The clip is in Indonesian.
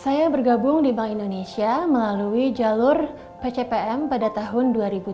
saya bergabung di bank indonesia melalui jalur pcpm pada tahun dua ribu dua puluh